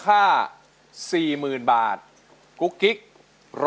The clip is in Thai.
มาอีกที่ควร